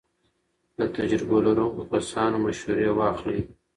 له تجربو لرونکو کسانو مشورې واخلئ.